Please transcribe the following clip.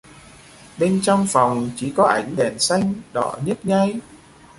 Bên trong phòng chỉ có ảnh đèn xanh đỏ nhấp nháy